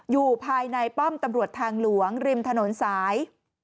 อยู่ภายในป้อมตำรวจทางหลวงริมถนนสาย